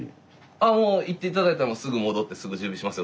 ああもう言っていただいたらすぐ戻ってすぐ準備しますよ。